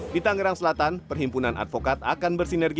di tangerang selatan perhimpunan advokat akan bersinergi